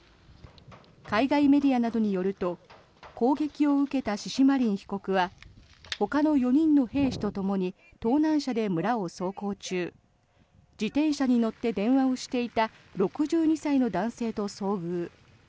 海外メディアなどによると攻撃を受けたシシマリン被告はほかの４人の兵士とともに盗難車で村を走行中自転車に乗って電話をしていた６２歳の男性と遭遇。